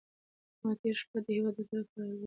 ما تېره شپه د هېواد د تاریخ په اړه ولوستل.